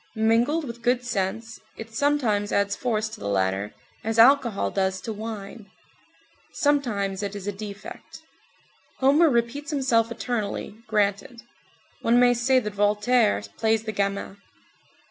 Mingled with good sense, it sometimes adds force to the latter, as alcohol does to wine. Sometimes it is a defect. Homer repeats himself eternally, granted; one may say that Voltaire plays the gamin.